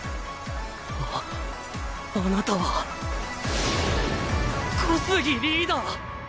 ああなたは小杉リーダー。